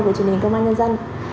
với truyền hình công an nhân dân